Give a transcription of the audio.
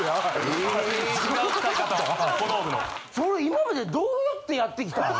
今までどうやってやってきたん？